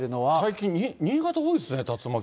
最近、新潟多いですね、竜巻。